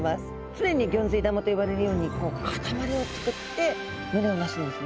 常にギョンズイ玉と呼ばれるように固まりを作って群れをなすんですね。